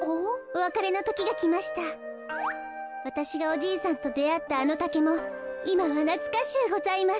わたしがおじいさんとであったあのタケもいまはなつかしゅうございます。